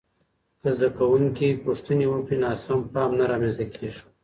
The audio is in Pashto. که زده کوونکي پوښتني وکړي، ناسم فهم نه رامنځته کېږي.